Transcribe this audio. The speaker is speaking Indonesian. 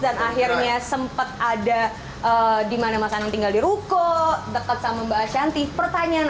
dan akhirnya sempet ada dan nyuruh oleh asli buat ngomong ngomong dengan mesya ibu dan muslim mereka henriiiiii